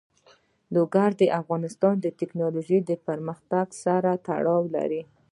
لوگر د افغانستان د تکنالوژۍ پرمختګ سره تړاو لري.